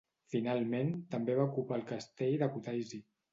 Finalment també va ocupar el castell de Kutaisi.